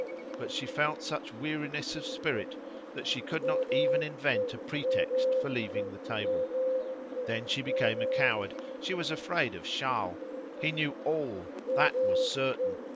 But she felt such weariness of spirit that she could not even invent a pretext for leaving the table. Then she became a coward; she was afraid of Charles; he knew all, that was certain!